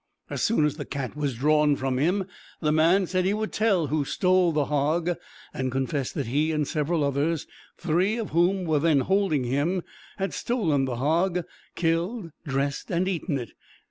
As soon as the cat was drawn from him, the man said he would tell who stole the hog, and confessed that he and several others, three of whom were then holding him, had stolen the hog killed, dressed, and eaten it.